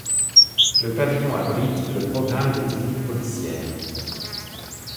Le pavillon abrite le programme des Techniques policières.